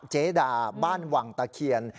เจดาบ้านวังตะเคียน